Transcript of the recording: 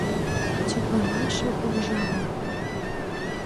Чапланалше кугыжалан: